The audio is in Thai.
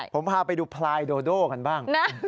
ผมพาไปดูพลายโดโดกันบ้าง